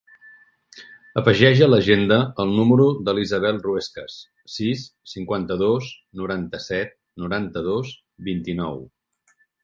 Afegeix a l'agenda el número de l'Isabel Ruescas: sis, cinquanta-dos, noranta-set, noranta-dos, vint-i-nou.